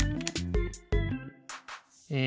え